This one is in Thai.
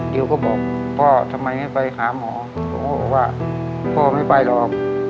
ดิวก็บอกพ่อทำไมไม่ไปหาหมอผมก็บอกว่าพ่อไม่ไปหรอก